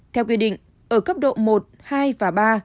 theo quy định ở cấp độ một hai và ba